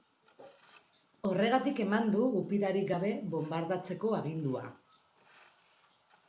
Horregatik eman du gupidarik gabe bonbardatzeko agindua.